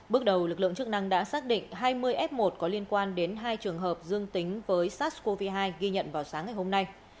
bước đầu lực lượng chức năng đã xác định hai mươi f một có liên quan đến hai trường hợp dương tính với sars cov hai ghi nhận vào sáng ngày hôm nay